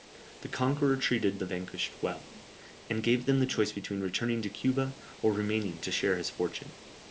The conqueror treated the vanquished well, and gave them the choice between returning to Cuba, or remaining to share his fortune.